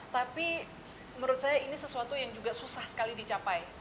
tapi menurut saya ini sesuatu yang juga susah sekali dicapai